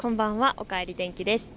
おかえり天気です。